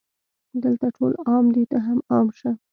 دلته ټول عام دي ته هم عام شه